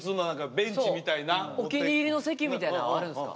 お気に入りの席みたいなのあるんすか？